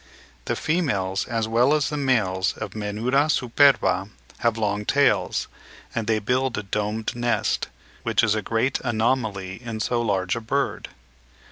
The females as well as the males of the Menura superba have long tails, and they build a domed nest, which is a great anomaly in so large a bird.